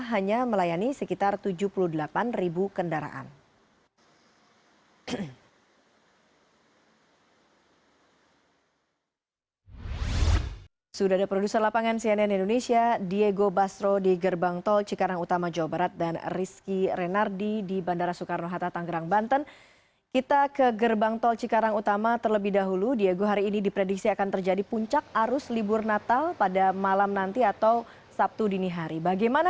hanya melayani sekitar tujuh puluh delapan ribu kendaraan